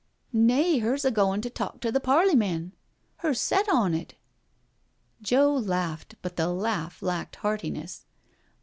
'^" Nay, her's a goin' to talk to the Parleymen— her's set on it." Joe laughed, but the laugh lacked heartiness.